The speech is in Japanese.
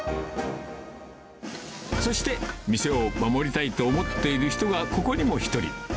そして店を守りたいと思っている人がここにも一人。